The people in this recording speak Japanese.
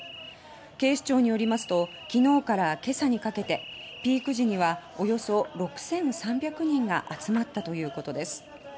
警視庁によりますときのうから今朝にかけてピーク時にはおよそ６３００人が集まったということです。